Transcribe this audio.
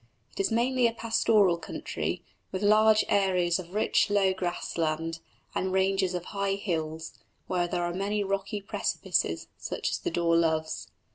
It is mainly a pastoral country with large areas of rich, low grass land, and ranges of high hills, where there are many rocky precipices such as the daw loves.